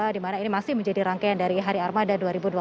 di mana ini masih menjadi rangkaian dari hari armada dua ribu dua puluh